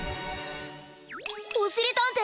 おしりたんていさん！